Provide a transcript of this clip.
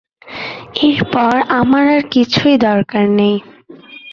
এরপর আমার আর কিছুই দরকার নেই।